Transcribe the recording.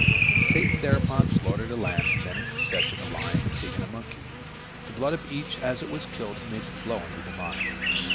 Satan thereupon slaughtered a lamb, and then, in succession, a lion, a pig, and a monkey. The blood of each as it was killed he made to flow under the vine.